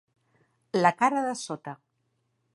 La cara de sota.